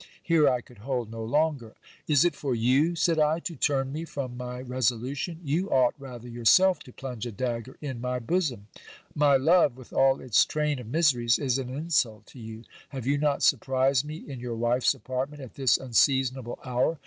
Here I could hold no longer. Is it for you, said I, to rum me from my re solution ? You ought rather yourself to plunge a dagger in my bosom. My love, with all its train of miseries, is an insult to you. Have you not surprised me in your wife's apartment at this unseasonable hour?